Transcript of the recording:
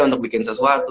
untuk bikin sesuatu